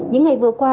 những ngày vừa qua